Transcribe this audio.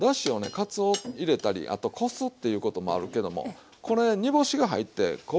かつお入れたりあとこすっていうこともあるけどもこれ煮干しが入って昆布が入ってる